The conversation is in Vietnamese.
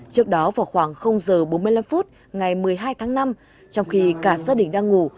trước đó vào khoảng h bốn mươi năm phút ngày một mươi hai tháng năm trong khi cả gia đình đang ngủ